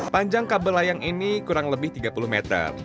panjang kabel layang ini kurang lebih tiga puluh meter